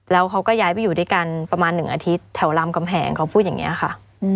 แล้วเขาก็ย้ายไปอยู่ด้วยกันประมาณ๑อาทิตย์แถวรามกำแหงเขาพูดอย่างนี้ค่ะ